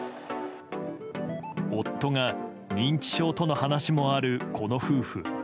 夫が認知症との話もあるこの夫婦。